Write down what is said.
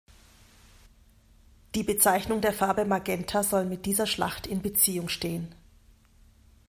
Die Bezeichnung der Farbe Magenta soll mit dieser Schlacht in Beziehung stehen.